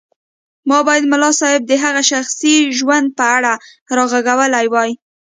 ما بايد ملا صيب د هغه شخصي ژوند په اړه راغږولی وای.